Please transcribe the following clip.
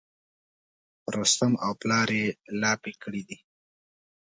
په رستم او پلار یې لاپې کړي دي.